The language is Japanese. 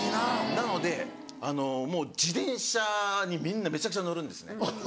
なので自転車にみんなめちゃくちゃ乗るんですね。